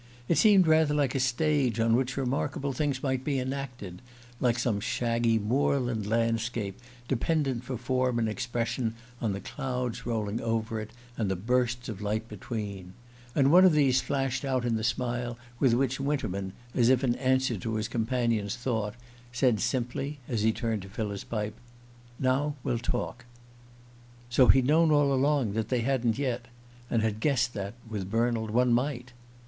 It seemed rather like a stage on which remarkable things might be enacted, like some shaggy moorland landscape dependent for form and expression on the clouds rolling over it, and the bursts of light between; and one of these flashed out in the smile with which Winterman, as if in answer to his companion's thought, said simply, as he turned to fill his pipe: "Now we'll talk." So he'd known all along that they hadn't yet and had guessed that, with Bernald, one might!